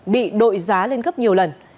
bị đội giá lên cấp nhiều lần